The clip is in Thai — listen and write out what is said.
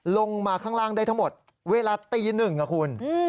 ลงมาข้างล่างได้ทั้งหมดเวลาตีหนึ่งนะคุณ